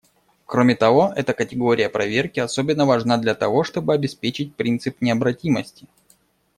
Кроме того, эта категория проверки особенно важна для того, чтобы обеспечить принцип необратимости.